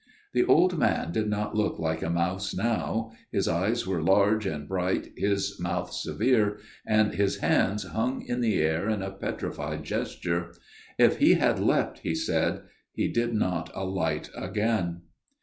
The old man did not look like a mouse now ; his eyes were large and bright, his mouth severe, FATHER MARTIN'S TALE 187 and his hands hung in the air in a petrified gesture. " If he had leapt," he said, " he did not alight again."